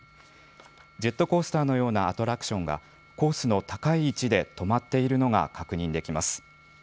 ジェットコースターのようなアトラクションがコースの高い位置で止まっているのが確認できます。